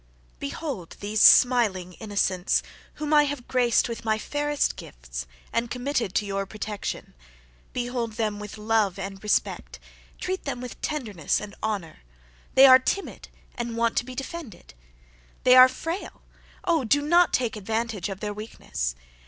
"Behold these smiling innocents, whom I have graced with my fairest gifts, and committed to your protection; behold them with love and respect; treat them with tenderness and honour. They are timid and want to be defended. They are frail; O do not take advantage of their weakness!